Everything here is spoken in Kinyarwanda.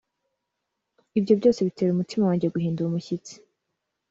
Ibyo byose bitera umutima wanjye guhinda umushyitsi